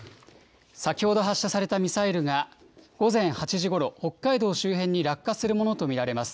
先ほど発射されたミサイルが午前８時ごろ、北海道周辺に落下するものと見られます。